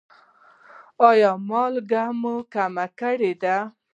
ایا مالګه مو کمه کړې ده؟